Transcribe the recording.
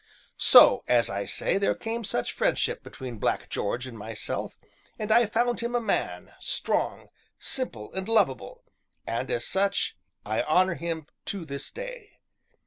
So, as I say, there came such friendship between Black George and myself, and I found him a man, strong, simple and lovable, and as such I honor him to this day.